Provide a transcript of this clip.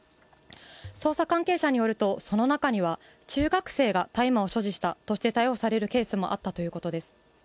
捜査関係者によると、その中には中学生が大麻を所持したとして逮捕されるケースもあったということです。